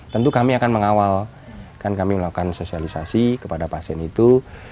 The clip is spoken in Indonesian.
tentu kami akan mengawal kan kami melakukan sosialisasi kepada pasien itu